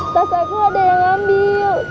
tata aku ada yang ambil